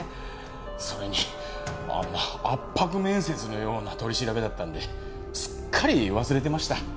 それにあんな圧迫面接のような取り調べだったんですっかり忘れてました。